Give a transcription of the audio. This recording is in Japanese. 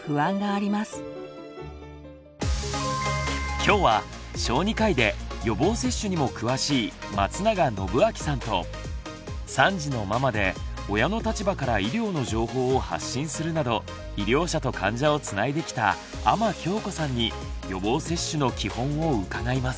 今日は小児科医で予防接種にも詳しい松永展明さんと３児のママで親の立場から医療の情報を発信するなど医療者と患者をつないできた阿真京子さんに予防接種のキホンを伺います。